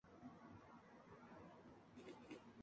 Se adscribe como un partido de ideología marxista-leninista.